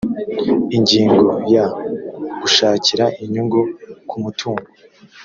ingingo ya gushakira inyungu kumutungo